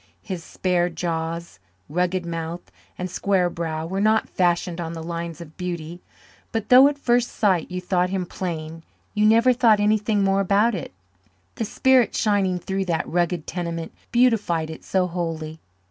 His spare jaws, rugged mouth, and square brow were not fashioned on the lines of beauty, but though at first sight you thought him plain you never thought anything more about it the spirit shining through that rugged tenement beautified it so wholly.